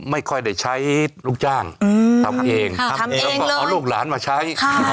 ไม่ค่อยได้ใช้ลูกจ้างทำเองออกพวกลูกหลานมาใช้